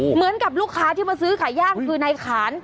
เหมือนกับลูกค้าที่มาซื้อขายย่างคือนายขาน